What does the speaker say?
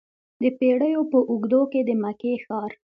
د پیړیو په اوږدو کې د مکې ښار.